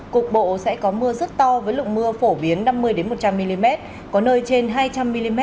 cục bộ sẽ có mưa rất to với lượng mưa phổ biến năm mươi một trăm linh mm có nơi trên hai trăm linh mm